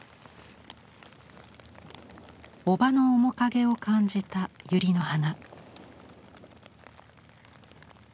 おばの面影を感じたユリの花。